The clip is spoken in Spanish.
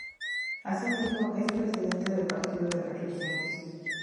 Asimismo, es presidente del Partido de las Regiones.